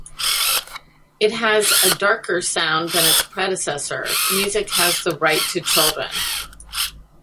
It has a darker sound than its predecessor, "Music Has the Right to Children".